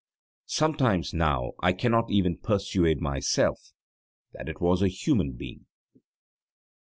Sometimes now I cannot even persuade myself that it was a human being.